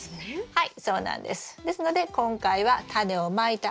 はい。